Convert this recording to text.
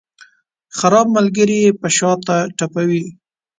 خراب ملګري یې په شاته ټپوي.